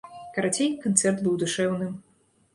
Карацей, канцэрт быў душэўным.